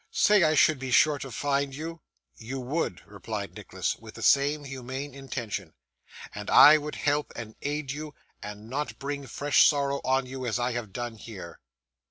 Say I should be sure to find you.' 'You would,' replied Nicholas, with the same humane intention, 'and I would help and aid you, and not bring fresh sorrow on you as I have done here.